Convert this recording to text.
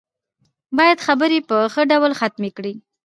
بايد خبرې په ښه ډول ختمې کړي.